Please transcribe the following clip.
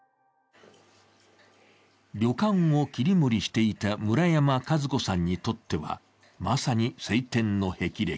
旅館を切り盛りしていた村山和子さんにとってはまさに青天の霹靂。